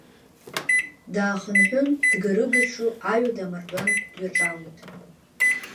Даахынҳәын, дгарыгаҽо аҩада амардуан дҩаҿалеит…